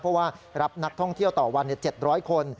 เพราะว่ารับนักท่องเที่ยวต่อวัน๗๐๐คน